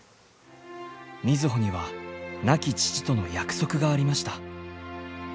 瑞穂には亡き父との約束がありました。